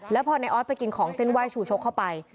แล้วพอในออสไปกินของเส้นไหว้ชูชกเข้าไป